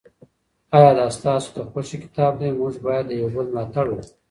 آیا دا ستاسو د خوښې کتاب دی؟ موږ باید د یو بل ملاتړ وکړو.